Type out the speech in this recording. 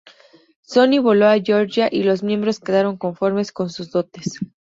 Sonny voló a Georgia y los miembros quedaron conformes con sus dotes.